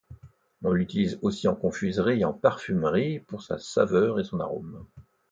On l'utilise aussi en confiserie et en parfumerie pour sa saveur et son arôme.